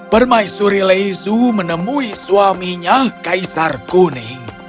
permaisuri lezu menemui suaminya kaisar kuning